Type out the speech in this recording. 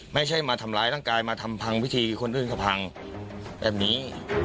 ไม่ใช่มาทำร้ายร่างกายมาทำพังวิธีคนอื่นก็พังแบบนี้